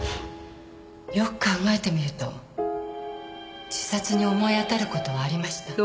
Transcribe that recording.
よく考えてみると自殺に思い当たる事はありました。